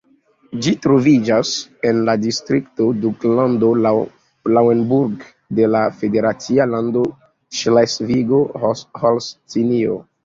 Ĝi troviĝis en la distrikto Duklando Lauenburg de la federacia lando Ŝlesvigo-Holstinio.